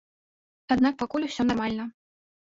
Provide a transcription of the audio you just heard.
Аднак пакуль усё нармальна.